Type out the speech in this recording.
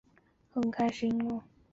他在帕萨迪娜的理工学校读中学。